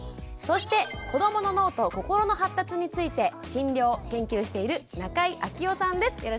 そして子どもの脳と心の発達について診療研究している中井昭夫さんです。